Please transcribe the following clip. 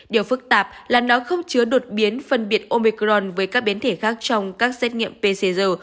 điều phức tạp là nó không chứa đột biến phân biệt omecron với các biến thể khác trong các xét nghiệm pcr